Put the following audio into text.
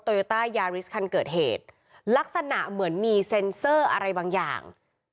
โยต้ายาริสคันเกิดเหตุลักษณะเหมือนมีเซ็นเซอร์อะไรบางอย่าง